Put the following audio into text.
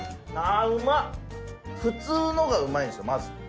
普通のがうまいんですよまず。